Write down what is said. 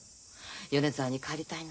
「米沢に帰りたいな」